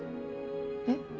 えっ？